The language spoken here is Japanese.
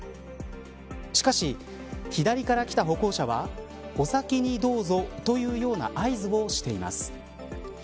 しかし、左から来た歩行者はお先にどうぞ、というような合図をしています。